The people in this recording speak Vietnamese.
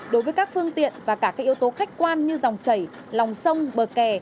đối với các phương tiện và cả các yếu tố khách quan như dòng chảy lòng sông bờ kè